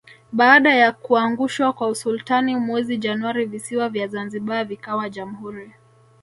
Baada ya kuangushwa kwa usultani mwezi Januari visiwa vya zanzibar vikawa Jamhuri